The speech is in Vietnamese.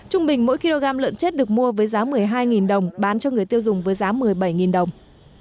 trung bình mỗi kg lợn chết được mua với giá một mươi hai đồng bán cho người tiêu dùng với giá một mươi bảy đồng